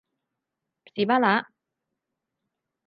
士巴拿